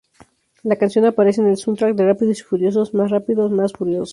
La canción aparece en el soundtrack de Rápidos y Furiosos Más Rápidos, Más Furiosos.